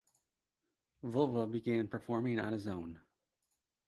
Vova began performing on his own.